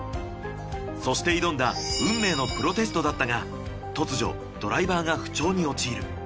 そして挑んだ運命のプロテストだったが突如ドライバーが不調に陥る。